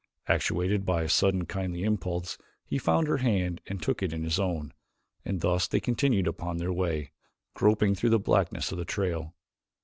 Actuated by a sudden kindly impulse he found her hand and took it in his own and thus they continued upon their way, groping through the blackness of the trail.